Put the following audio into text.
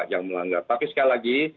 yang melanggar tapi sekali lagi